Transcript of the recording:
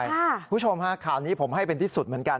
คุณผู้ชมฮะข่าวนี้ผมให้เป็นที่สุดเหมือนกัน